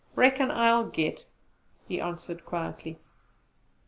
Reckon I'll git!" he answered quietly.